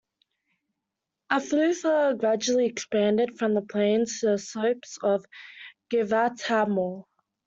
Afula gradually expanded from the plains to the slopes of Giv'at ha-More.